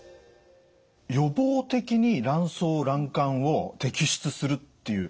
予防的に卵巣卵管を摘出するっていう。